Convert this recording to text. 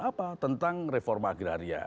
apa tentang reforma agraria